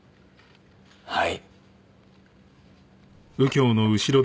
はい。